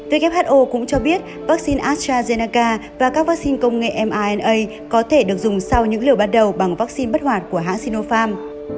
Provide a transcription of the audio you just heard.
who cũng cho biết vaccine astrazennaca và các vaccine công nghệ mna có thể được dùng sau những liều ban đầu bằng vaccine bất hoạt của hãng sinopharm